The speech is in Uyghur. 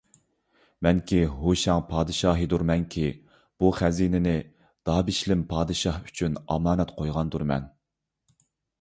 مەنكى ھۇشەڭ پادىشاھىدۇرمەنكى، بۇ خەزىنىنى دابىشلىم پادىشاھ ئۈچۈن ئامانەت قويغاندۇرمەن.